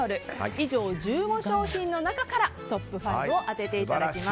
以上１５商品の中からトップ５を当てていただきます。